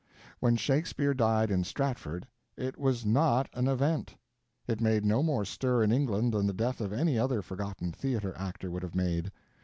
When Shakespeare died in Stratford, it was not an event. It made no more stir in England than the death of any other forgotten theater actor would have made.